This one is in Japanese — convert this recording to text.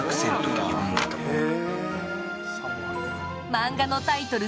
漫画のタイトル